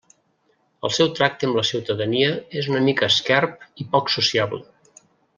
El seu tracte amb la ciutadania és una mica esquerp i poc sociable.